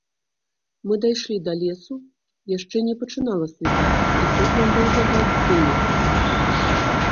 Мы дайшлі да лесу, яшчэ не пачынала світаць, і тут нам быў загад спыніцца.